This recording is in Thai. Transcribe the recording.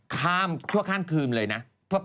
ชั่วข้ามคืนเลยนะ